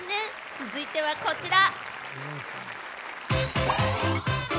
続いてはこちら。